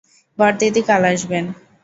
বড়দিদি কাল আসবেন।